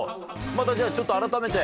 またじゃあちょっと改めて。